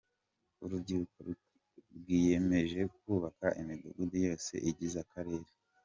Urubyiruko rwiyemeje kubaka imidugudu yose igize Akarere